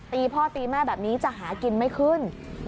ตีพ่อตีแม่แบบนี้จะหากินไม่ขึ้น